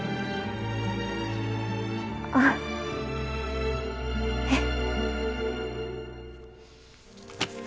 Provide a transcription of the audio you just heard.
あっえっ？